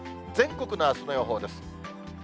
全国のあすの予報です。